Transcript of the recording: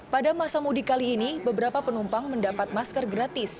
pada masa mudik kali ini beberapa penumpang mendapat masker gratis